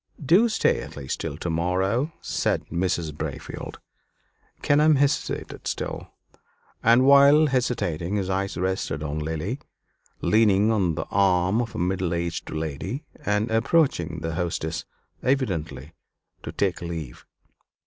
"Do stay at least till to morrow," said Mrs. Braefield. Kenelm hesitated still; and while hesitating, his eyes rested on Lily, leaning on the arm of a middle aged lady, and approaching the hostess evidently to take leave.